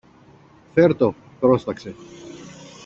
Φερ' το, πρόσταξε.